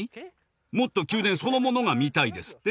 もっと宮殿そのものが見たいですって？